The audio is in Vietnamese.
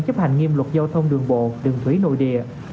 chấp hành nghiêm luật giao thông đường bộ đường thủy nội địa